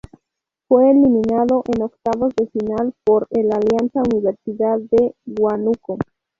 Fue eliminado en octavos de final por el Alianza Universidad de Huánuco.